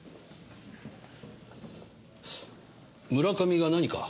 村上が何か？